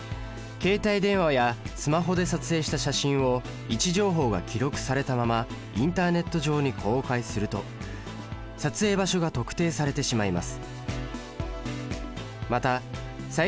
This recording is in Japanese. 携帯電話やスマホで撮影した写真を位置情報が記録されたままインターネット上に公開すると撮影場所が特定されてしまいます。